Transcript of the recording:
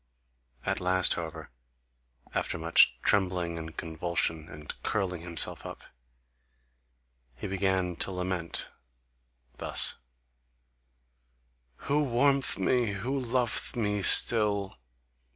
At last, however, after much trembling, and convulsion, and curling himself up, he began to lament thus: Who warm'th me, who lov'th me still?